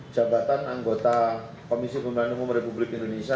jabatan anggota komisi pemilihan umum republik indonesia